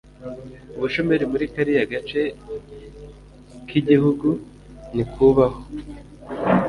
ubushomeri muri kariya gace kigihugu ntikubaho